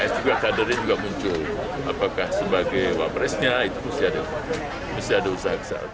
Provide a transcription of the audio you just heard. dan juga kader ini muncul apakah sebagai wak presiden itu juga mesti ada usaha besar